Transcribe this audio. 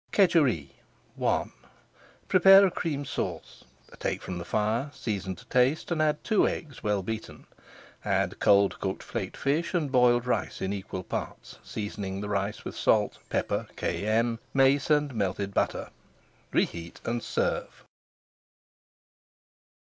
KEDJEREE I Prepare a Cream Sauce, take from the fire, season to taste, and add two eggs well beaten. Add cold cooked flaked fish and boiled rice in equal parts, seasoning the rice with salt, pepper, cayenne, [Page 469] mace, and melted butter. Reheat and serve.